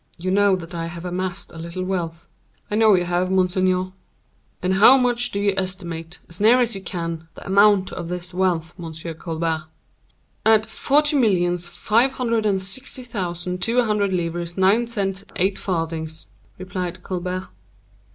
You know that I have amassed a little wealth." "I know you have, monseigneur." "At how much do you estimate, as near as you can, the amount of this wealth, M. Colbert?" "At forty millions, five hundred and sixty thousand, two hundred livres, nine cents, eight farthings," replied Colbert.